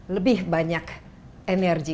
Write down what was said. lebih banyak energi